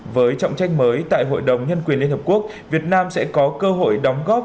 với trọng trách mới tại hội đồng nhân quyền liên hợp quốc việt nam sẽ có cơ hội đóng góp